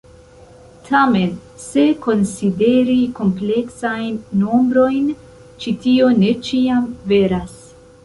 Tamen se konsideri kompleksajn nombrojn, ĉi tio ne ĉiam veras.